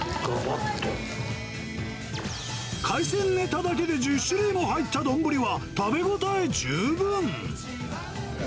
海鮮ネタだけで１０種類も入った丼は、うーん！